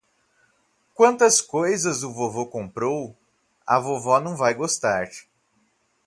Quantas coisas o vovô comprou! A vovô não vai gostar.